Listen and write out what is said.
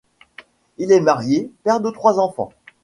Il est marié, père de trois enfants.